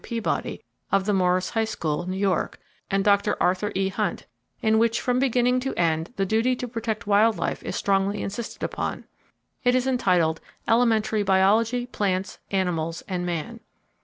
Peabody, of the Morris High School, New York, and Dr. Arthur E. Hunt, in which from beginning to end the duty to protect wild life is strongly insisted upon. It is entitled "Elementary Biology; Plants, Animals and Man."